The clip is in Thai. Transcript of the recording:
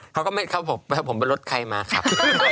เขาก็ไม่ครับผมไปรถใครมาครับ